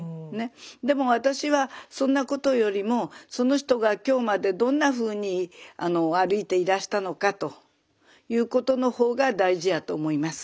でも私はそんなことよりもその人が今日までどんなふうに歩いていらしたのかということの方が大事やと思います。